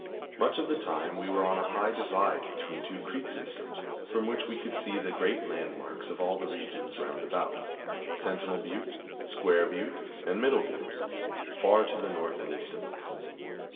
Much of the time we were on a high divide between two creek systems, from which we could see the great landmarks of all the regions roundabout Sentinel Butte, Square Butte and Middle Butte, far to the north and east of us.